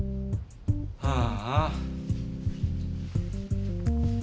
はあ。